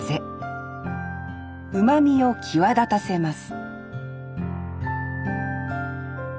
うまみを際立たせます